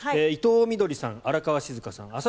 伊藤みどりさん、荒川静香さん